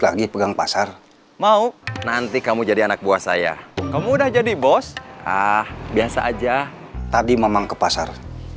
lagi pegang pasar mau nanti kamu jadi anak buah saya kamu udah jadi bos biasa aja tadi memang ke pasar